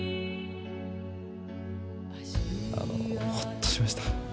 あのホッとしました。